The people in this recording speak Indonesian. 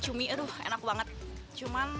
cumi aduh enak banget cuman